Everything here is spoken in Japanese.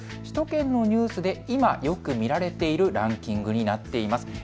首都圏のニュースで今、よく見られているランキングになっています。